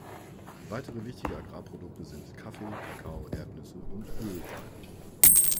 Weitere wichtige Agrarprodukte sind Kaffee, Kakao, Erdnüsse und Ölpalmen.